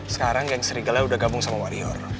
sekarang geng serigala udah gabung sama warior